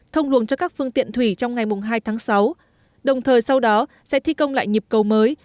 thông luồng cho các phương tiện thủy trong ngày hai tháng sáu đồng thời sau đó sẽ thi công lại nhịp cầu mới